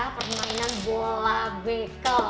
permainan bola bekel